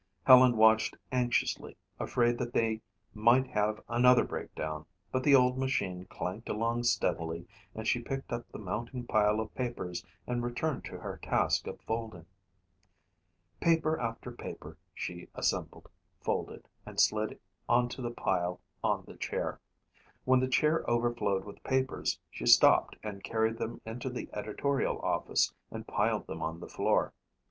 Helen watched anxiously, afraid that they might have another breakdown but the old machine clanked along steadily and she picked up the mounting pile of papers and returned to her task of folding. Paper after paper she assembled, folded and slid onto the pile on the chair. When the chair overflowed with papers she stopped and carried them into the editorial office and piled them on the floor.